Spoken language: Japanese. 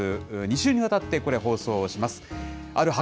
２週にわたってこれ、放送します。